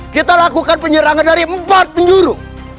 kita lakukan penyerangan dari empat penjuru